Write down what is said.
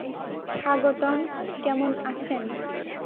স্বাগতম, কেমন আছেেন?